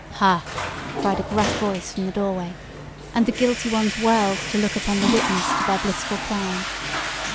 "Ha!" cried a gruff voice from the doorway, and the guilty ones whirled to look upon the witness to their blissful crime.